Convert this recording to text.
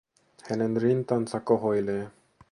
Hänen rintansa kohoilee.